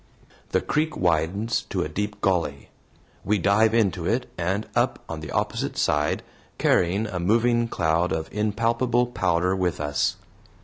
The creek widens to a deep gully. We dive into it and up on the opposite side, carrying a moving cloud of impalpable powder with us.